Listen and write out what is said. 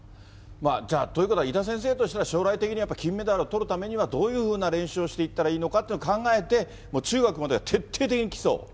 じゃあ、ということは、伊田先生としては、将来的にやっぱ金メダルをとるためにはどういうふうな練習をしていったらいいのかというのを考えて、中学までは徹底的に基礎を？